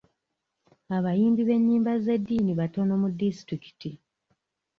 Abayimbi b'ennyimba z'eddiini batono mu disitulikiti.